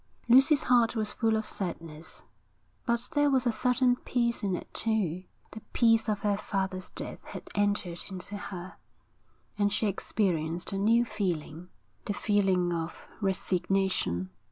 Lucy's heart was full of sadness, but there was a certain peace in it, too; the peace of her father's death had entered into her, and she experienced a new feeling, the feeling of resignation.